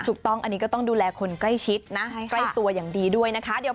ถูกต้องอันนี้ก็ต้องดูแลคนใกล้ชิดนะใกล้ตัวอย่างดีด้วยนะคะ